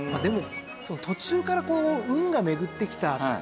でも途中から運が巡ってきた。